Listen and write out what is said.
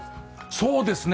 そうですね。